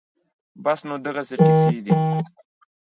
بس نو دغسې قېصې دي